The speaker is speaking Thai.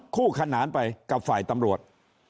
คู่ขนานไปกับฝ่ายตำรวจ